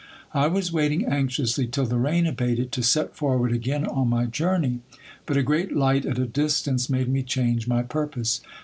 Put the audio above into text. I was waiting anxiously till the rain abated, to set forward again on my journey ; but a great light at a distance made me change my purpose.